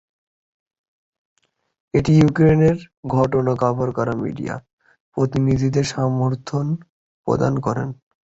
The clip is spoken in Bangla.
এটি ইউক্রেনের ঘটনা কাভার করা মিডিয়া প্রতিনিধিদের সমর্থন প্রদান করে।